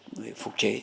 người phục chế